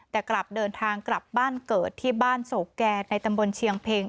แต่กลับเดินทางกลับบ้านเกิดที่บ้านโศกแก่ในตำบลเชียงเพ็ง